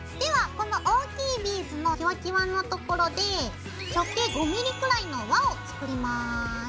この大きいビーズのきわきわの所で直径５ｍｍくらいの輪を作ります。